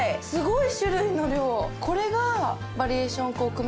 これが。